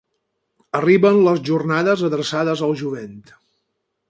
Arriben les jornades adreçades al jovent.